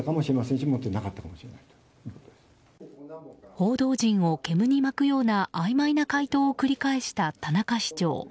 報道陣をけむに巻くようなあいまいな回答を繰り返した田中市長。